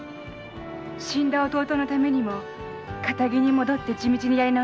死んだ弟のためにも堅気に戻って地道にやり直します。